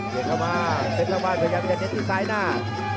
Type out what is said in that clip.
เจนทางบ้านเฉยอยากจะเน็ตที่ซ้ายหน้า